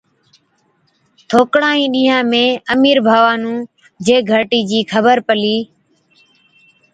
ٿوڪڙان ئِي ڏِيهان ۾ امِير ڀاوا نُون جي گھَرٽِي چِي خبر پلِي،